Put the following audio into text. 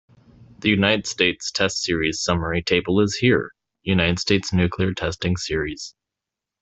The United States test series summary table is here: United States' nuclear testing series.